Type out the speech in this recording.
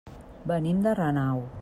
Venim de Renau.